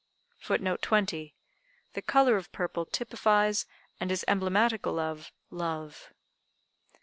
] [Footnote 20: The color of purple typifies, and is emblematical of, love.